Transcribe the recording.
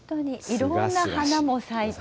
いろんな花も咲いていて。